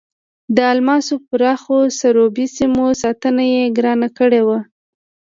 د الماسو پراخو رسوبي سیمو ساتنه یې ګرانه کړې وه.